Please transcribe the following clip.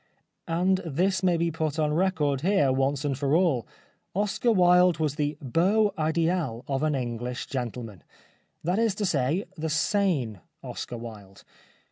And this may be put on record here once and for all. Oscar Wilde was the heau idMl of an English gentleman. That is to say the sane Oscar Wilde.